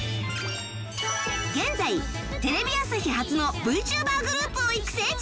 現在テレビ朝日発の ＶＴｕｂｅｒ グループを育成中